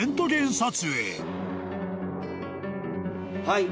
はい。